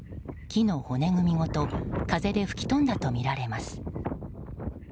木の骨組みごと風で吹き飛んだとみられます。